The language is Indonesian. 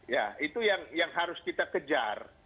ya itu yang harus kita kejar